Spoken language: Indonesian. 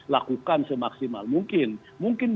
lakukan semaksimal mungkin mungkin